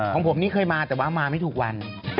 ของผมนี่เคยมาแต่ว่ามาไม่ถูกวัน